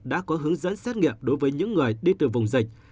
đã có hướng dẫn xét nghiệm đối với những người đi từ vùng dịch